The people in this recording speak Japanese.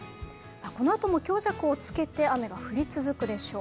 このあとも強弱をつけて雨が降り続くでしょう。